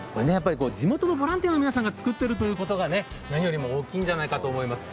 地元のボランティアの皆さんが作っているということが何よりも大きいんじゃないかと思います。